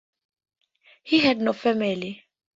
He had no family.